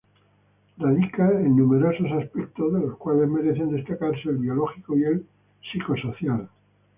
Radica en numerosos aspectos, de los cuales merecen destacarse el biológico y el psicosocial.